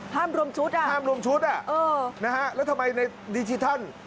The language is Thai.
ห้ามรวมชุดน่ะนะฮะแล้วทำไมในดิจิทัล